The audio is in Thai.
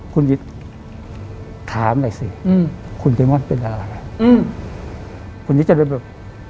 คุณนิดจะเป็นแบบ